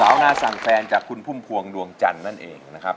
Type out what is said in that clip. สาวนาสั่งแฟนจากคุณพุ่มพวงดวงจันทร์นั่นเองนะครับ